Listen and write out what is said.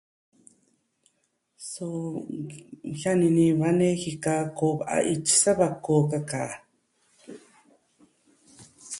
Suu, jiani ni va nejika koo a ityi, sava koo kaka.